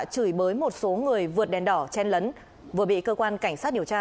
chửi bới một số người vượt đèn đỏ chen lấn vừa bị cơ quan cảnh sát điều tra